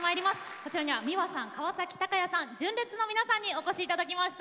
こちらにはｍｉｗａさん川崎鷹也さん純烈の皆さんにお越しいただきました。